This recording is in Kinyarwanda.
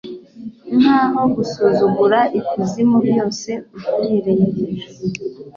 nkaho gusuzugura ikuzimu byose uhereye hejuru